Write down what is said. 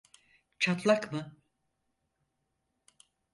Çatlak mı?